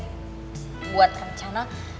pasti dia buat rencana